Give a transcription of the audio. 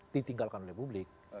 ditinggalkan oleh publik